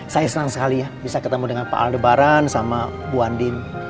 saya senang sekali ya bisa ketemu dengan pak aldebaran sama mba andin